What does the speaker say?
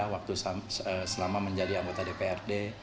waktu selama menjadi anggota dprd